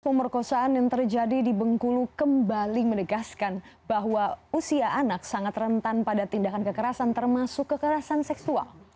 pemerkosaan yang terjadi di bengkulu kembali menegaskan bahwa usia anak sangat rentan pada tindakan kekerasan termasuk kekerasan seksual